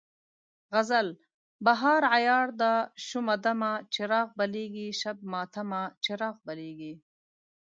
غزل: بهار عیار ده شومه دمه، چراغ بلیږي شبِ ماتمه، چراغ بلیږي